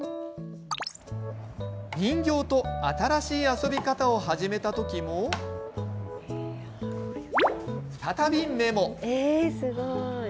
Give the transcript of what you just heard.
人形と新しい遊び方を始めた時も再びメモ。